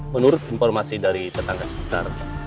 menurut informasi dari tetangga sekitar